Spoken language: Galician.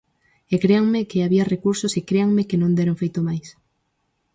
E créanme que había recursos e créanme que non deron feito máis.